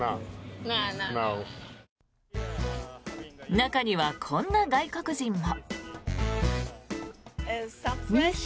中には、こんな外国人も。